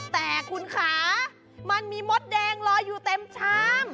แต่คุณคะมันมีมดแดงลอยอยู่เต็มชาม